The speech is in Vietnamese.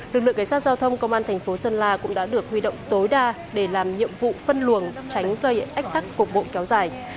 lực lượng cảnh sát giao thông công an thành phố sơn la cũng đã được huy động tối đa để làm nhiệm vụ phân luồng tránh gây ách tắc cục bộ kéo dài